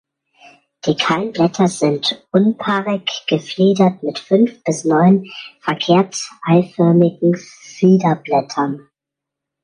Die kahlen Blätter sind unpaarig gefiedert mit fünf bis neun verkehrt-eiförmigen Fiederblättern.